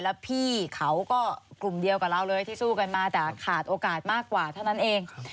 แล้วพี่เขาก็กลุ่มเดียวกับเราเลยที่สู้กันมาแต่ขาดโอกาสมากกว่าเท่านั้นเอง